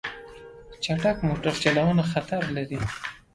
چټک موټر چلوونه خطر لري.